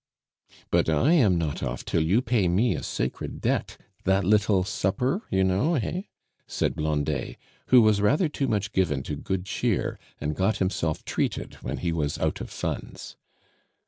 "But I am not off till you pay me a sacred debt that little supper, you know, heh?" said Blondet, who was rather too much given to good cheer, and got himself treated when he was out of funds.